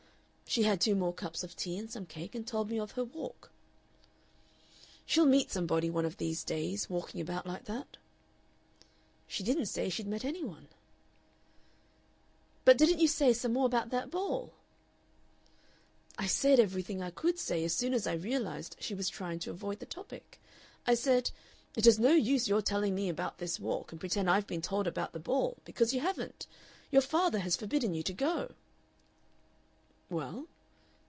"She had two more cups of tea and some cake, and told me of her walk." "She'll meet somebody one of these days walking about like that." "She didn't say she'd met any one." "But didn't you say some more about that ball?" "I said everything I could say as soon as I realized she was trying to avoid the topic. I said, 'It is no use your telling me about this walk and pretend I've been told about the ball, because you haven't. Your father has forbidden you to go!'" "Well?"